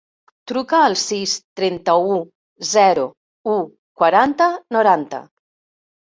Truca al sis, trenta-u, zero, u, quaranta, noranta.